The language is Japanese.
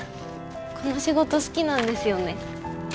この仕事好きなんですよね。